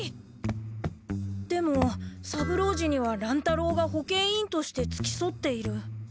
でも三郎次には乱太郎が保健委員としてつきそっている。